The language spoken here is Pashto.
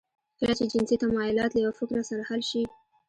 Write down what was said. کله چې جنسي تمایلات له یوه فکر سره حل شي